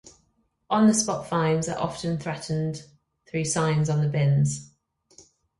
On-the-spot fines are often threatened through signs on the bins.